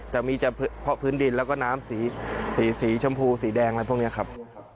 จะมีเฉพาะพื้นดินแล้วก็น้ำสีชมพูสีแดงอะไรพวกนี้ครับ